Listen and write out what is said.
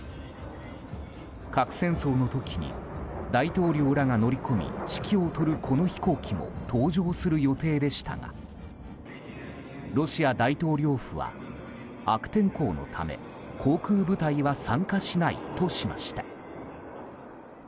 核戦争の時に大統領らが乗り込み指揮を執るこの飛行機も登場する予定でしたがロシア大統領府は悪天候のため航空部隊は参加しないとしました。